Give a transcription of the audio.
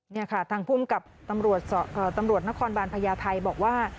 นี่ค่ะทางภูมิกับตำรวจนครบาลพญาไทยบอกว่า